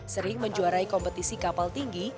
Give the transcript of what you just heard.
sering menjuarai kompetisi kapal tinggi